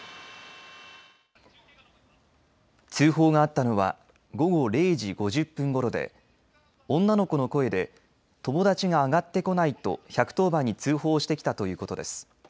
通報があったのは午後０時５０分ごろで女の子の声で友達が上がってこないと１１０番に通報してきたということです。